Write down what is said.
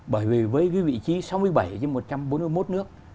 bởi vì với cái vị trí sáu mươi bảy trong một trăm bốn mươi một nước